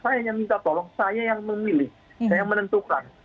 saya hanya minta tolong saya yang memilih yang menentukan